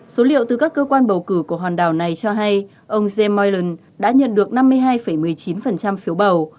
số liệu từ các cơ quan bầu cử của hòn đảo này cho hay ông james molland đã nhận được năm mươi hai một mươi chín phiếu bầu